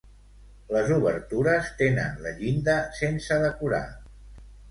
Les obertures tenen la llinda sense decorar.